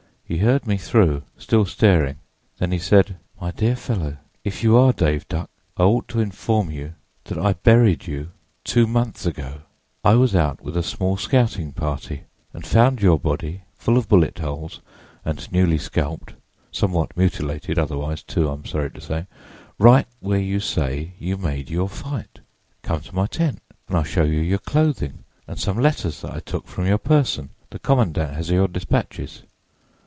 He heard me through, still staring; then he said: "'My dear fellow, if you are Dave Duck I ought to inform you that I buried you two months ago. I was out with a small scouting party and found your body, full of bullet holes and newly scalped—somewhat mutilated otherwise, too, I am sorry to say—right where you say you made your fight. Come to my tent and I'll show you your clothing and some letters that I took from your person; the commandant has your dispatches.